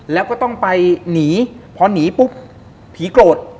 แล้วก็ต้องไปหนีพอหนีปุ๊บผีโกรธ